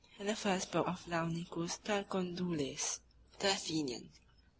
and the first book of Laonicus Chalcondyles, the Athenian.